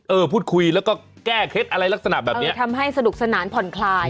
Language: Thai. พูดคุยแล้วก็แก้เคล็ดอะไรลักษณะแบบเนี้ยทำให้สนุกสนานผ่อนคลาย